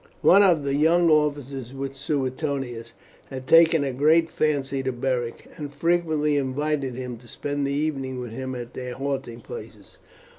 One of the young officers with Suetonius had taken a great fancy to Beric, and frequently invited him to spend the evening with him at their halting places.